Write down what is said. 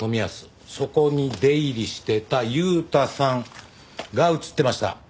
そこに出入りしてた悠太さんが映ってました。